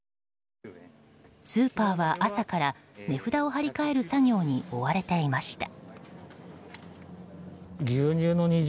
スーパーは朝から値札を貼り替える作業に追われていました。